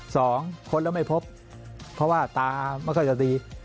ค้นแล้วไม่พบเพราะว่าตาไม่ค่อยจะตี